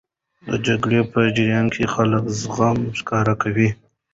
د جګړې په جریان کې خلک زغم ښکاره کوي.